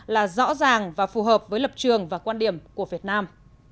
là rõ ràng và phù hợp với lập trường và quan điểm của việt nam